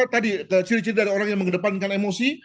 tadi ciri ciri dari orang yang mengedepankan emosi